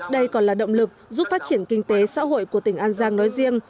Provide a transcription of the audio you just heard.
đây còn là động lực giúp phát triển kinh tế xã hội của tỉnh an giang nói riêng